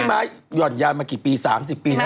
พี่บ๊ายหย่อนยานมาสามสิบปีนะ